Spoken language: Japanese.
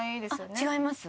違います。